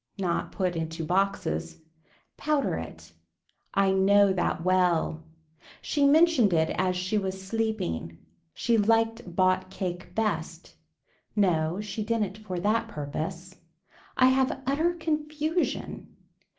Not put into boxes. Powder it. I know that well. She mentioned it as she was sleeping. She liked bought cake best. No she didn't for that purpose. I have utter confusion.